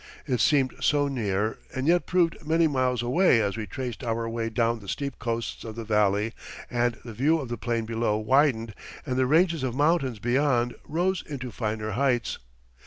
It seemed so near and yet proved many miles away as we traced our way down the steep coasts of the valley and the view of the plain below widened and the ranges of mountains beyond rose into finer heights.